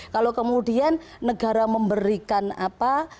kalau kemudian negara memberikan apa